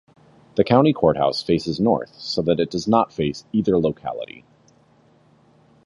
The county courthouse faces north so that it does not face either locality.